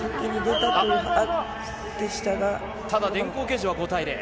電光掲示は５対０。